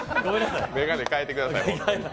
眼鏡変えてください